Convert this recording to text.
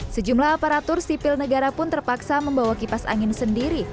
sejumlah aparatur sipil negara pun terpaksa membawa kipas angin sendiri